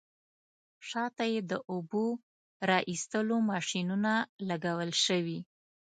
شاته یې د اوبو را ایستلو ماشینونه لګول شوي.